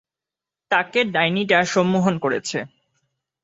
তাকে ডাইনীটা সম্মোহন করেছে।